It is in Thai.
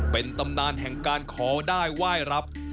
เป็นตำนานแห่งการขอได้ไหว้รับ